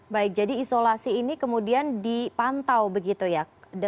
baik jadi isolasi ini kemudian dipantau begitu ya